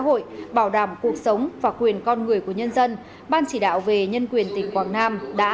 hội bảo đảm cuộc sống và quyền con người của nhân dân ban chỉ đạo về nhân quyền tỉnh quảng nam đã